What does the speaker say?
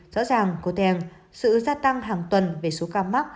rõ ràng cô teng sự gia tăng hàng tuần về số ca mắc